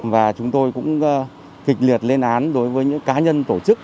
và chúng tôi cũng kịch liệt lên án đối với những cá nhân tổ chức